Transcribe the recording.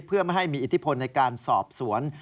เพื่อไม่ให้มีอิทธิพลในการสอบสวน